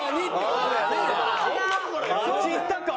そっちいったか。